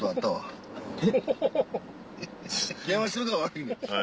電話してるのが悪いねん。